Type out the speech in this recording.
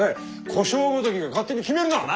小姓ごときが勝手に決めるな！